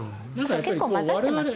結構、混ざってます